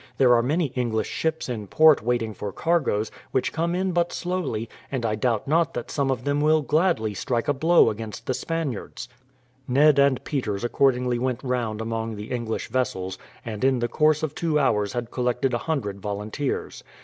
There are many English ships in port waiting for cargoes, which come in but slowly, and I doubt not that some of them will gladly strike a blow against the Spaniards." Ned and Peters accordingly went round among the English vessels, and in the course of two hours had collected a hundred volunteers.